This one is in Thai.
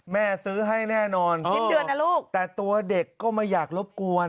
แม่ซื้อให้แน่นอนตัวเด็กก็ไม่อยากรบกวน